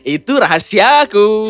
itu rahasia aku